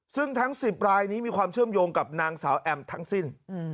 ซึ่งทั้ง๑๐รายนี้มีความเชื่อมโยงกับนางสาวแอมทั้งสิ้น